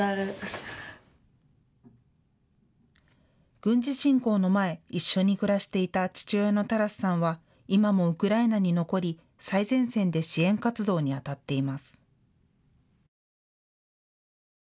軍事侵攻の前、一緒に暮らしていた父親のタラスさんは今もウクライナに残り最前線で支援活動にあたっています。